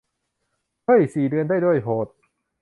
เหย สี่เดือนได้ด้วย โหด